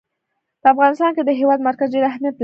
په افغانستان کې د هېواد مرکز ډېر اهمیت لري.